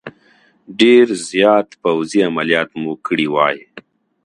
ډېر زیات پوځي عملیات مو کړي وای.